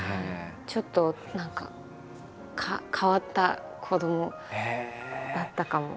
ちょっと何か変わった子どもだったかも。